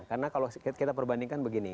karena kalau kita perbandingkan begini